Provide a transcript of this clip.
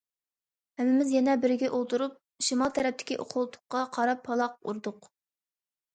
ھەممىمىز يەنە بىرىگە ئولتۇرۇپ شىمال تەرەپتىكى قولتۇققا قاراپ پالاق ئۇردۇق.